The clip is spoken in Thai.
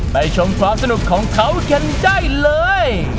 ชมความสนุกของเขากันได้เลย